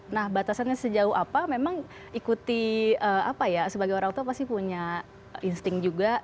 nah batasannya sejauh apa memang ikuti apa ya sebagai orang tua pasti punya insting juga